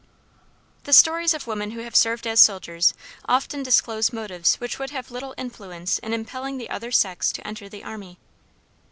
The stories of women who have served as soldiers often disclose motives which would have little influence in impelling the other sex to enter the army.